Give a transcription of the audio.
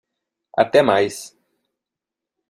Até mais!